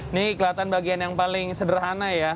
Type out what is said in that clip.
ini kelihatan bagian yang paling sederhana ya